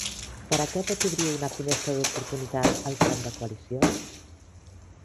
Per a què pot obrir una finestra d'oportunitat el govern de coalició?